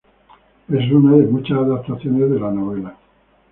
Es una de muchas adaptaciones de la novela.